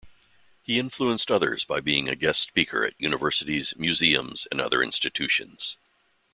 He influenced others by being a guest speaker at universities, museums, and other institutions.